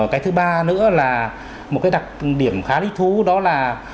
cái thứ ba nữa là một cái đặc điểm khá thích thú đó là